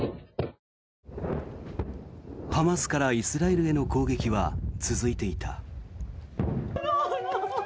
ハマスからイスラエルへの攻撃は続いていた。